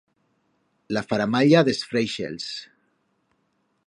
La faramalla d'es fréixels.